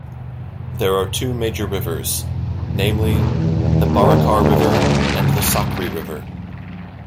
There are two major rivers, namely, the Barakar River and the Sakri River.